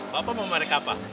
bapak mau mereka apa